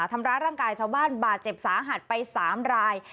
ทำร้ายร่างกายชาวบ้านบาดเจ็บสาหัสไป๓ราย